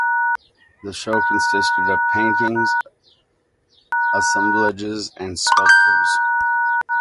The show consisted of paintings, assemblages and sculptures.